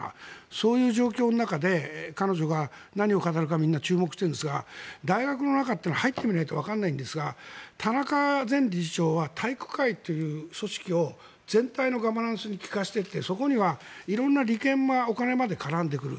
そういう状況の中で彼女が何を語るかみんな注目しているんですが大学の中っていうのは入ってみないとわからないんですが田中前理事長は体育会という組織を全体のガバナンスに利かせていてそこには色んな利権やお金まで絡んでくる。